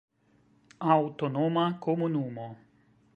Aŭtonoma Komunumo.